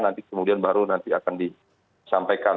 nanti kemudian baru nanti akan disampaikan